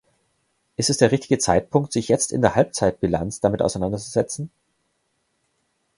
Ist es der richtige Zeitpunkt, sich jetzt in der Halbzeitbilanz damit auseinanderzusetzen?